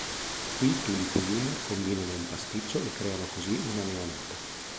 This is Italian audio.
Qui Tulip e Junior combinano un pasticcio e creano così una neonata.